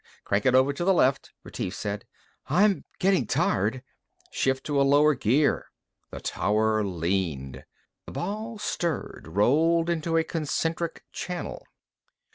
"Crank it over to the left," Retief said. "I'm getting tired." "Shift to a lower gear." The tower leaned. The ball stirred, rolled into a concentric channel.